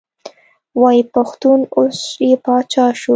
وایي پښتون اوس یې پاچا شو.